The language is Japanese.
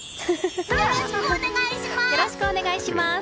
よろしくお願いします！